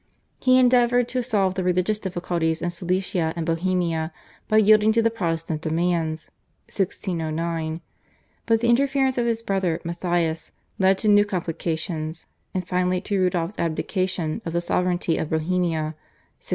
He endeavoured to solve the religious difficulties in Silesia and Bohemia by yielding to the Protestant demands (1609), but the interference of his brother Matthias led to new complications, and finally to Rudolph's abdication of the sovereignty of Bohemia (1611).